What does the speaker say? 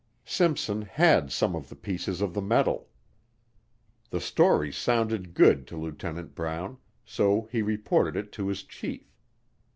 Simpson had some of the pieces of the metal. The story sounded good to Lieutenant Brown, so he reported it to his chief.